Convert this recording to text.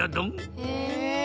へえ。